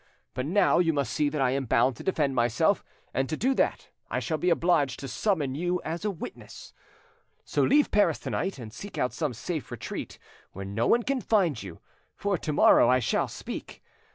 But now you must see that I am bound to defend myself, and to do that I shall be obliged to summon you as a witness. So leave Paris tonight and seek out some safe retreat where no one can find you, for to morrow I shall speak.